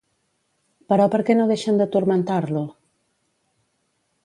Però per què no deixen de turmentar-lo?